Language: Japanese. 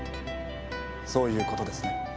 そういうことですね？